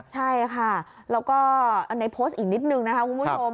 ใช่ค่ะแล้วก็ในโพสต์อีกนิดนึงนะคะคุณผู้ชม